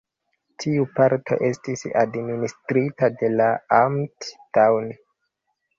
Tiu parto estis administrita de la Amt Daun.